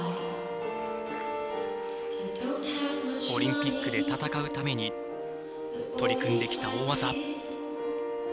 オリンピックで戦うために取り組んできた大技。